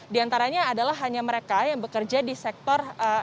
di antaranya adalah hanya mereka yang bekerja di sektor